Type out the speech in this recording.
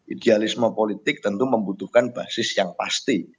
idealisme politik tentu membutuhkan basis yang pasti